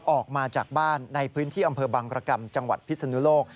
ออกมาจากบ้านในพื้นที่อำเภอบังรกรรมจังหวัดพิศนุโลก